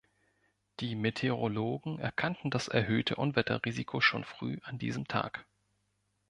Die Meteorologen erkannten das erhöhte Unwetter-Risiko schon früh an diesem Tag.